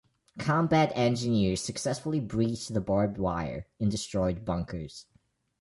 Combat engineers successfully breached the barbed wire and destroyed bunkers.